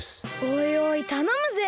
おいおいたのむぜ。